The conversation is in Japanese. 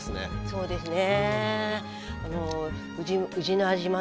そうですね